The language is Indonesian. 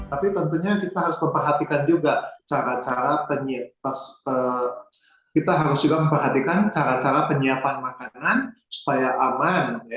tapi tentunya kita harus memperhatikan juga cara cara penyiapan makanan supaya aman